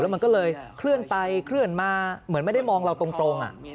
มันก็เลยเคลื่อนไปเคลื่อนมาเหมือนไม่ได้มองเราตรง